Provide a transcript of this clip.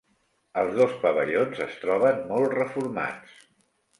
Els dos pavellons es troben molt reformats.